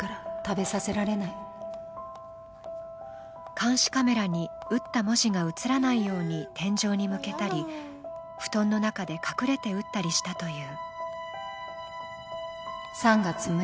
監視カメラに打った文字が映らないように、天井に向けたり、布団の中で隠れて打ったりしたという。